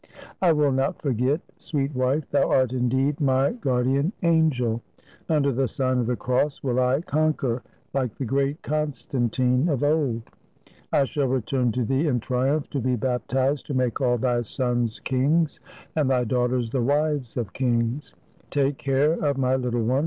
"I will not forget, sweet wife! Thou art, indeed, my guardian angel. Under the sign of the Cross will I con quer, like the great Constantine of old. I shall return to thee in triumph to be baptized, to make all thy sons kings and thy daughters the wives of kings. Take care of my little one.